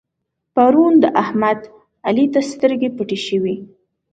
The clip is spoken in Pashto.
پرون د احمد؛ علي ته سترګې پټې شوې.